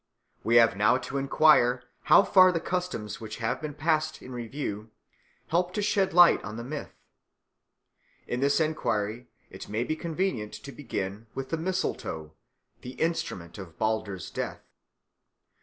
We have now to enquire how far the customs which have been passed in review help to shed light on the myth. In this enquiry it may be convenient to begin with the mistletoe, the instrument of Balder's death.